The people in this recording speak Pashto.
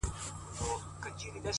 انسانه واه واه نو- قتل و قتال دي وکړ-